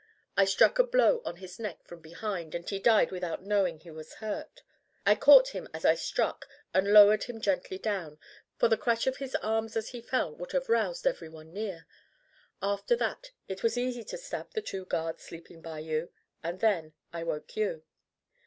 I struck a blow on his neck from behind, and he died without knowing he was hurt. I caught him as I struck and lowered him gently down, for the crash of his arms as he fell would have roused everyone near. After that it was easy to stab the two guards sleeping by you, and then I woke you."